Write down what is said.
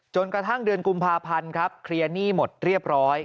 กระทั่งเดือนกุมภาพันธ์ครับเคลียร์หนี้หมดเรียบร้อย